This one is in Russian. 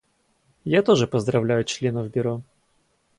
Я также поздравляю членов Бюро.